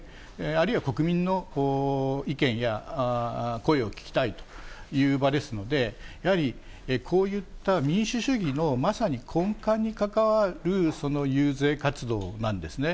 あるいは国民の意見や声を聞きたいという場ですので、やはりこういった民主主義の、まさに根幹に関わる遊説活動なんですね。